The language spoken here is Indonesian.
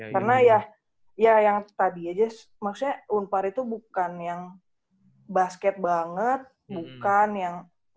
karena ya ya yang tadi aja maksudnya unpar itu bukan yang basket banget bukan yang